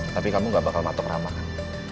tapi kamu gak bakal matok ramah kan